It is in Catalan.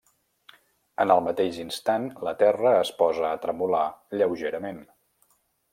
En el mateix instant, la terra es posa a tremolar lleugerament.